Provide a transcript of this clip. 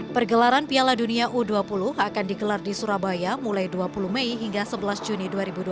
pergelaran piala dunia u dua puluh akan digelar di surabaya mulai dua puluh mei hingga sebelas juni dua ribu dua puluh